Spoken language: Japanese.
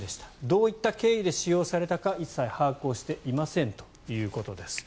どういった経緯で使用されたか一切把握をしていませんということです。